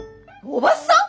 おばさん！？